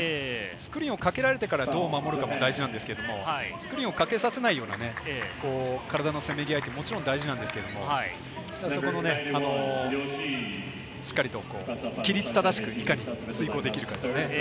スクリーンをかけられてからどう守るかも大事なんですけれども、スクリーンをかけさせないような体のせめぎ合いももちろん大事なんですけれど、そこもしっかりと規律正しく、いかに遂行できるかですね。